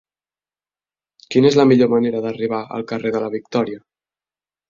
Quina és la millor manera d'arribar al carrer de la Victòria?